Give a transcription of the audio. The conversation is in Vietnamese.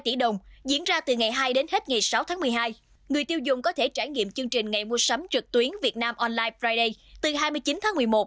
tiến ra từ ngày hai đến hết ngày sáu tháng một mươi hai người tiêu dùng có thể trải nghiệm chương trình ngày mua sắm trực tuyến việt nam online friday từ hai mươi chín tháng một mươi một